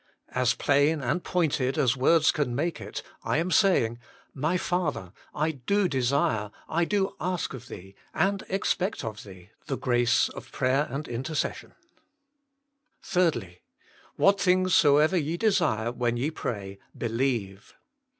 As plain and pointed as words can make it, I am saying, My Father ! I do desire, I do ask of Thee, and expect of Thee, the grace of prayer and intercession. " 3. " What things soever ye desire, when ye pray, believe."